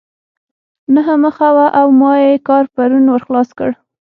نهه مخه وه او ما ئې کار پرون ور خلاص کړ.